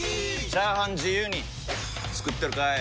チャーハン自由に作ってるかい！？